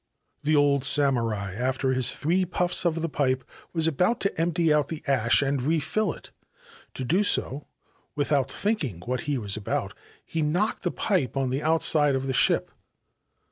The old samurai, after his three puffs of the p: was about to empty out the ash and refill it. To do without thinking what he was about, he knocked the f on the outside of the ship.